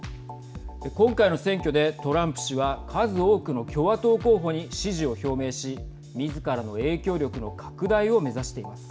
今回の選挙で、トランプ氏は数多くの共和党候補に支持を表明しみずからの影響力の拡大を目指しています。